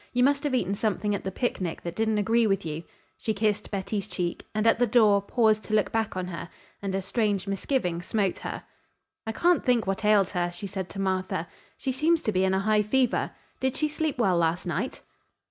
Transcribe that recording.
You must have eaten something at the picnic that didn't agree with you." She kissed Betty's cheek, and at the door paused to look back on her, and a strange misgiving smote her. "I can't think what ails her," she said to Martha. "She seems to be in a high fever. Did she sleep well last night?"